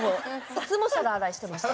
いつも皿洗いしてました。